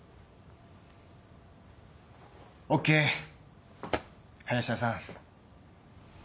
ＯＫ林田さん。